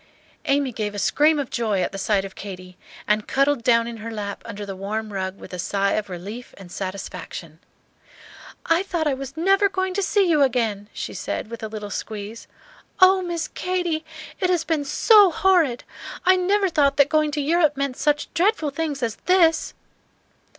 Amy gave a scream of joy at the sight of Katy, and cuddled down in her lap under the warm rug with a sigh of relief and satisfaction. "I thought I was never going to see you again," she said, with a little squeeze. "Oh, Miss Katy, it has been so horrid! I never thought that going to Europe meant such dreadful things as this!"